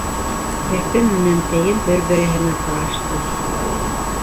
Терпе менән тейен бер-береһенә ҡарашты.